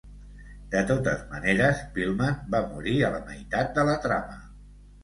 De totes maneres, Pillman va morir a la meitat de la trama.